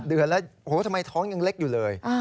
เดือนแล้วโอ้โหทำไมท้องยังเล็กอยู่เลย